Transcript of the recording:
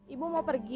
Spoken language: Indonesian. ibu mau pergi